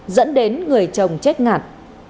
dẫn đến người chồng chết ngạt